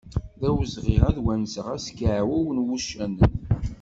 D awezɣi ad wenseɣ askiɛew n wucanen.